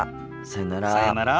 さようなら。